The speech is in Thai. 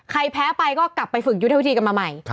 แพ้ไปก็กลับไปฝึกยุทธวิธีกันมาใหม่